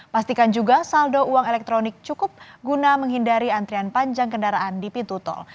pastikan juga saldo uang elektronik cukup guna menghindari antrian panjang kendaraan di pintu tol